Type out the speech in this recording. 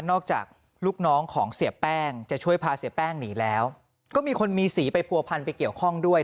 อกจากลูกน้องของเสียแป้งจะช่วยพาเสียแป้งหนีแล้วก็มีคนมีสีไปผัวพันไปเกี่ยวข้องด้วย